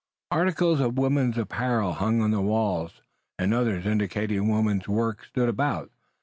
Articles of women's apparel hung on the walls, and others indicating woman's work stood about.